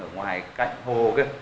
ở ngoài cạnh hồ